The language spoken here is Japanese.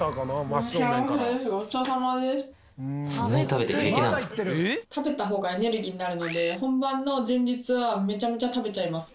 食べた方がエネルギーになるので本番の前日はめちゃめちゃ食べちゃいます。